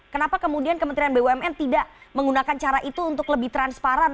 kenapa kemudian kementerian bumn tidak menggunakan cara itu untuk lebih transparan